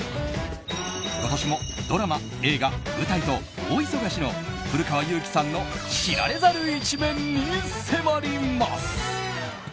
今年もドラマ、映画、舞台と大忙しの古川雄輝さんの知られざる一面に迫ります。